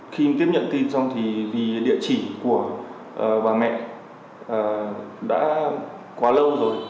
khi tiếp nhận tin xong thì vì địa chỉ của bà mẹ đã quá lâu rồi